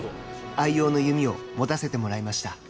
愛用の弓を持たせてもらいました。